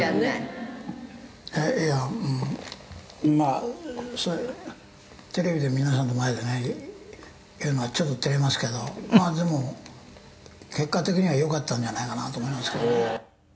「いやまあそういうテレビで皆さんの前でね言うのはちょっと照れますけどまあでも結果的にはよかったんじゃないかなと思いますけどね」